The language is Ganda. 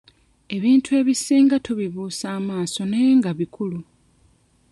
Ebintu ebisinga tubibuusa amaaso naye nga bikulu.